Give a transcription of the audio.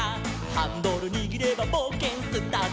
「ハンドルにぎればぼうけんスタート！」